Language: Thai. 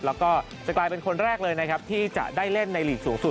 แล้วก็จะกลายเป็นคนแรกเลยนะครับที่จะได้เล่นในหลีกสูงสุด